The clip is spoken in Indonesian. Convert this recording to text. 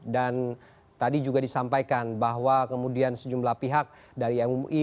dan tadi juga disampaikan bahwa kemudian sejumlah pihak dari mui